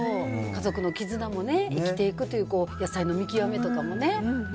家族の絆もね、生きていくっていう、野菜の見極めとかもね。